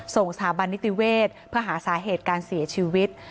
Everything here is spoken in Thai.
ส่งสถาบันนิติเวศเพื่อหาสาเหตุการเสียชีวิต